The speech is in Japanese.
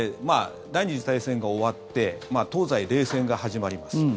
第２次大戦が終わって東西冷戦が始まります。